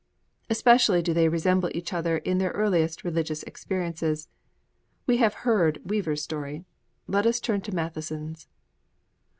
Especially do they resemble each other in their earliest religious experiences. We have heard Weaver's story: let us turn to Matheson's.